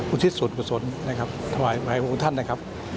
อุทิศสุดกุศลนะครับอ่าให้หังท่านนะครับ